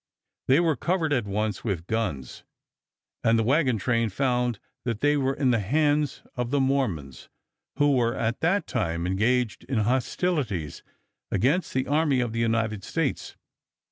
They were covered at once with guns, and the wagon train men found that they were in the hands of the Mormons, who were at that time engaged in hostilities against the Army of the United States.